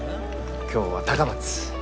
今日は高松！